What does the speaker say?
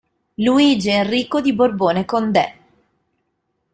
Luigi Enrico di Borbone-Condé